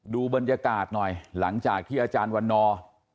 ดูบรรยากาศหน่อยหลังจากที่อาจารย์วันนอร์